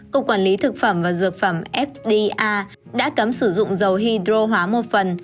cục quản lý thực phẩm và dược phẩm fda đã cấm sử dụng dầu hydro hóa một phần